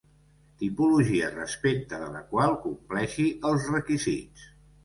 Tipologia respecte de la qual compleixi els requisits.